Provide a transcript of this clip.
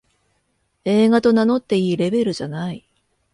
映画と名乗っていいレベルじゃない